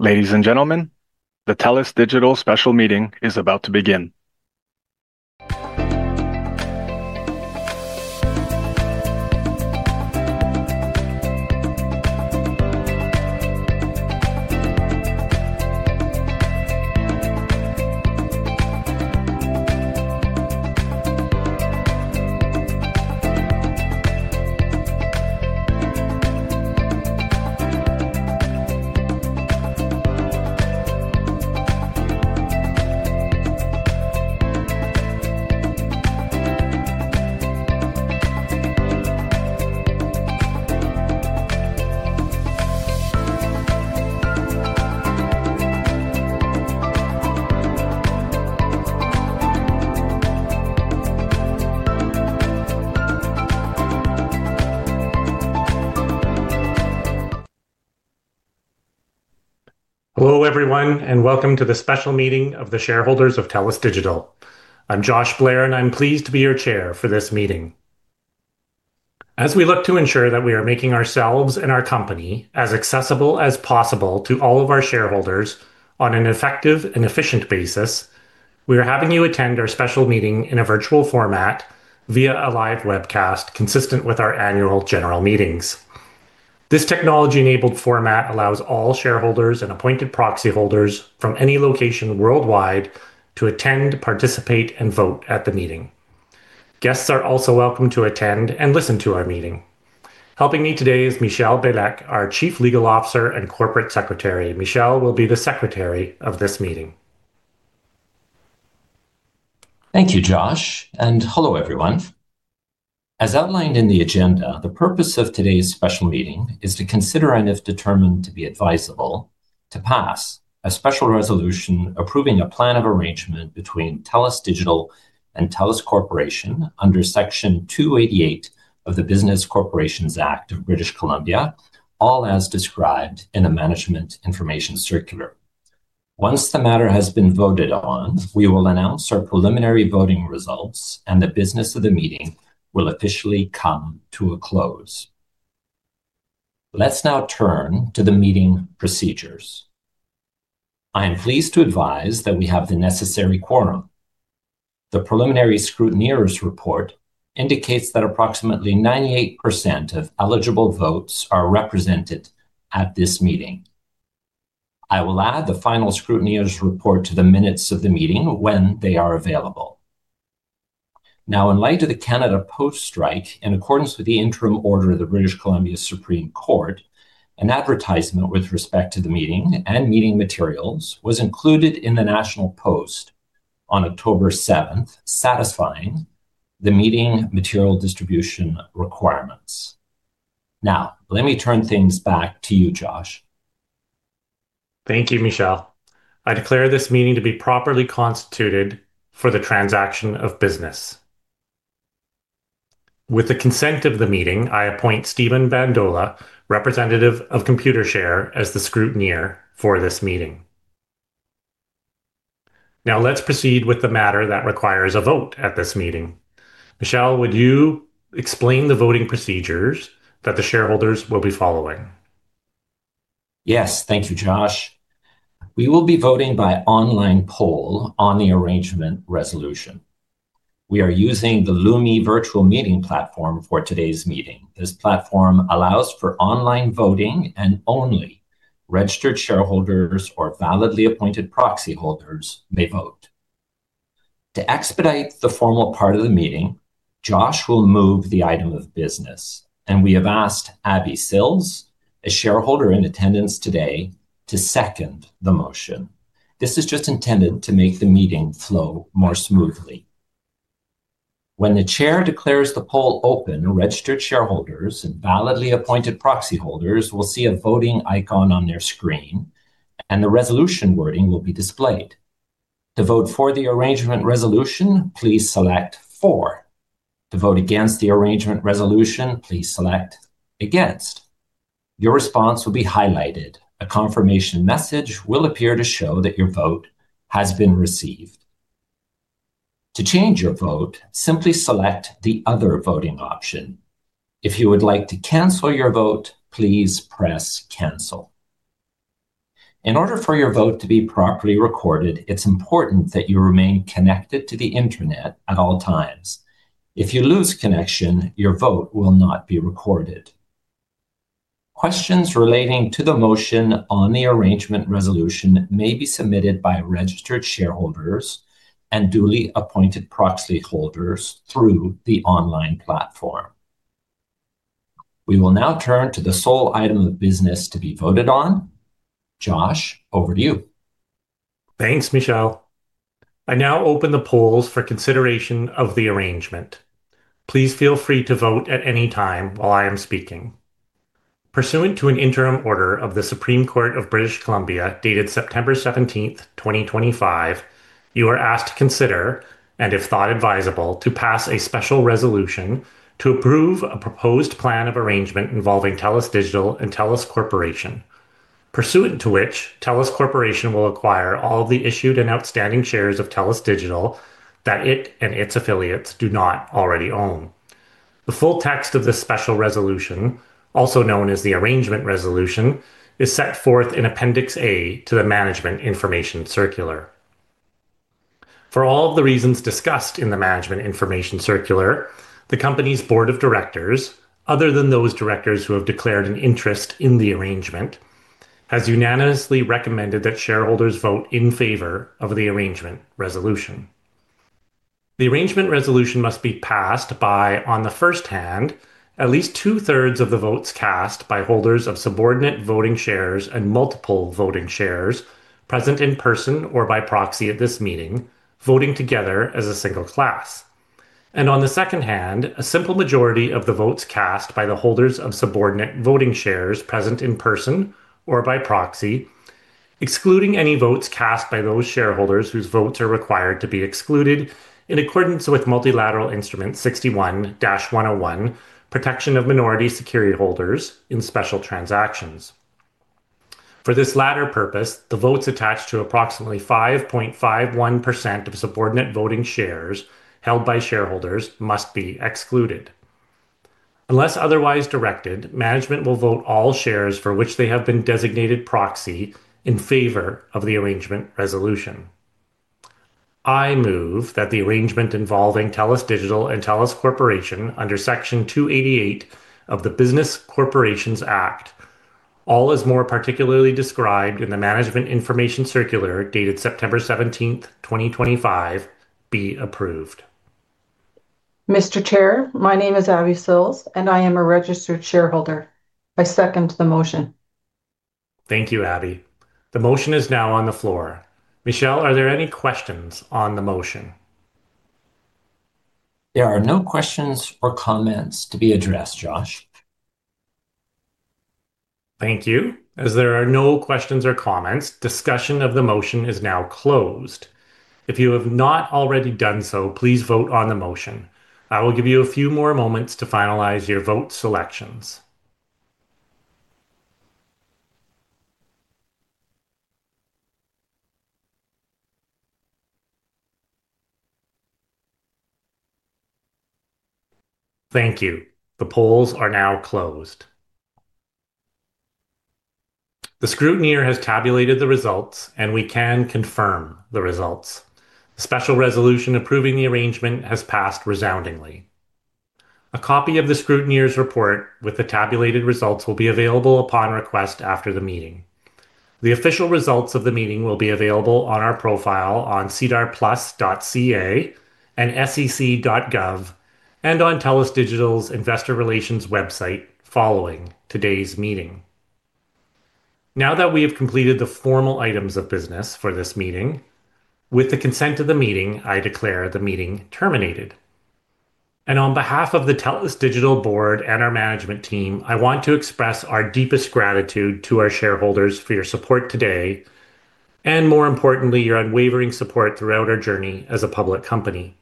Ladies and gentlemen, the TELUS Digital Special Meeting is about to begin. Hello everyone, and welcome to the special meeting of the shareholders of TELUS Digital. I'm Josh Blair, and I'm pleased to be your Chair for this meeting. As we look to ensure that we are making ourselves and our company as accessible as possible to all of our shareholders on an effective and efficient basis, we are having you attend our special meeting in a virtual format via a live webcast consistent with our annual general meetings. This technology-enabled format allows all shareholders and appointed proxy holders from any location worldwide to attend, participate, and vote at the meeting. Guests are also welcome to attend and listen to our meeting. Helping me today is Michele Beilek, our Chief Legal Officer and Corporate Secretary. Michele will be the Secretary of this meeting. Thank you, Josh, and hello everyone. As outlined in the agenda, the purpose of today's special meeting is to consider and, if determined to be advisable, to pass a special resolution approving a plan of arrangement between TELUS Digital and TELUS Corporation under Section 288 of the Business Corporations Act (British Columbia), all as described in the Management Information Circular. Once the matter has been voted on, we will announce our preliminary voting results, and the business of the meeting will officially come to a close. Let's now turn to the meeting procedures. I am pleased to advise that we have the necessary quorum. The preliminary scrutineers' report indicates that approximately 98% of eligible votes are represented at this meeting. I will add the final scrutineers' report to the minutes of the meeting when they are available. Now, in light of the Canada Post strike, in accordance with the interim order of the Supreme Court of British Columbia, an advertisement with respect to the meeting and meeting materials was included in the National Post on October 7th, satisfying the meeting material distribution requirements. Now, let me turn things back to you, Josh. Thank you, Michele. I declare this meeting to be properly constituted for the transaction of business. With the consent of the meeting, I appoint Steven Bandola, representative of Computershare, as the scrutineer for this meeting. Now, let's proceed with the matter that requires a vote at this meeting. Michele, would you explain the voting procedures that the shareholders will be following? Yes, thank you, Josh. We will be voting by online poll on the arrangement resolution. We are using the LUMI virtual meeting platform for today's meeting. This platform allows for online voting, and only registered shareholders or validly appointed proxy holders may vote. To expedite the formal part of the meeting, Josh will move the item of business, and we have asked Abby Sills, a shareholder in attendance today, to second the motion. This is just intended to make the meeting flow more smoothly. When the Chair declares the poll open, registered shareholders and validly appointed proxy holders will see a voting icon on their screen, and the resolution wording will be displayed. To vote for the arrangement resolution, please select "for." To vote against the arrangement resolution, please select "against." Your response will be highlighted. A confirmation message will appear to show that your vote has been received. To change your vote, simply select the other voting option. If you would like to cancel your vote, please press "cancel." In order for your vote to be properly recorded, it's important that you remain connected to the internet at all times. If you lose connection, your vote will not be recorded. Questions relating to the motion on the arrangement resolution may be submitted by registered shareholders and duly appointed proxy holders through the online platform. We will now turn to the sole item of business to be voted on. Josh, over to you. Thanks, Michele. I now open the polls for consideration of the arrangement. Please feel free to vote at any time while I am speaking. Pursuant to an interim order of the Supreme Court of British Columbia dated September 17th, 2025, you are asked to consider, and if thought advisable, to pass a special resolution to approve a proposed plan of arrangement involving TELUS Digital and TELUS Corporation, pursuant to which TELUS Corporation will acquire all of the issued and outstanding shares of TELUS Digital that it and its affiliates do not already own. The full text of this special resolution, also known as the arrangement resolution, is set forth in Appendix A to the Management Information Circular. For all of the reasons discussed in the Management Information Circular, the company's Board of Directors, other than those directors who have declared an interest in the arrangement, has unanimously recommended that shareholders vote in favor of the arrangement resolution. The arrangement resolution must be passed by, on the first hand, at least two-thirds of the votes cast by holders of subordinate voting shares and multiple voting shares present in person or by proxy at this meeting, voting together as a single class. On the second hand, a simple majority of the votes cast by the holders of subordinate voting shares present in person or by proxy, excluding any votes cast by those shareholders whose votes are required to be excluded in accordance with Multilateral Instrument 61-101, Protection of Minority Security Holders in Special Transactions. For this latter purpose, the votes attached to approximately 5.51% of subordinate voting shares held by shareholders must be excluded. Unless otherwise directed, management will vote all shares for which they have been designated proxy in favor of the arrangement resolution. I move that the arrangement involving TELUS Digital and TELUS Corporation under Section 288 of the Business Corporations Act (British Columbia), all as more particularly described in the Management Information Circular dated September 17, 2025, be approved. Mr. Chair, my name is Abby Sills, and I am a registered shareholder. I second the motion. Thank you, Abby. The motion is now on the floor. Michele, are there any questions on the motion? There are no questions or comments to be addressed, Josh. Thank you. As there are no questions or comments, discussion of the motion is now closed. If you have not already done so, please vote on the motion. I will give you a few more moments to finalize your vote selections. Thank you. The polls are now closed. The scrutineer has tabulated the results, and we can confirm the results. The special resolution approving the arrangement has passed resoundingly. A copy of the scrutineer's report with the tabulated results will be available upon request after the meeting. The official results of the meeting will be available on our profile on cedarplus.ca and sec.gov, and on TELUS International's Investor Relations website following today's meeting. Now that we have completed the formal items of business for this meeting, with the consent of the meeting, I declare the meeting terminated. On behalf of the TELUS International Board and our management team, I want to express our deepest gratitude to our shareholders for your support today, and more importantly, your unwavering support throughout our journey as a public company.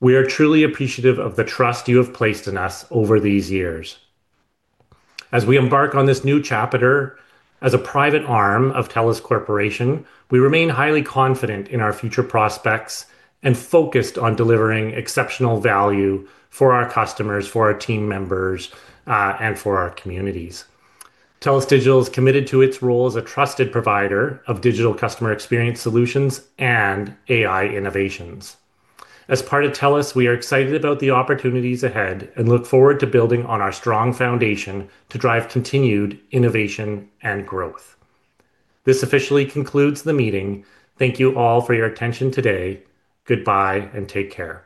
We are truly appreciative of the trust you have placed in us over these years. As we embark on this new chapter as a private arm of TELUS Corporation, we remain highly confident in our future prospects and focused on delivering exceptional value for our customers, for our team members, and for our communities. TELUS International is committed to its role as a trusted provider of digital customer experience solutions and AI innovations. As part of TELUS Corporation, we are excited about the opportunities ahead and look forward to building on our strong foundation to drive continued innovation and growth. This officially concludes the meeting. Thank you all for your attention today. Goodbye and take care.